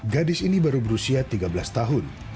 gadis ini baru berusia tiga belas tahun